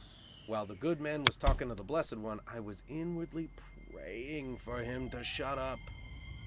While the good man was talking of the Blessed One I was inwardly praying for him to shut up.